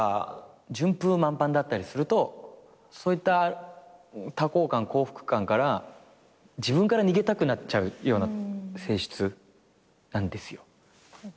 順風満帆だったりするとそういった多幸感幸福感から自分から逃げたくなっちゃうような性質なんですよ。